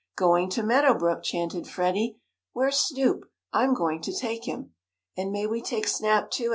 "Going to Meadow Brook!" chanted Freddie. "Where's Snoop? I'm going to take him!" "And may we take Snap, too?"